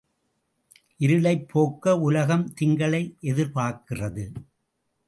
இருளைப் போக்க உலகம் திங்களை எதிர்பார்க்கிறது.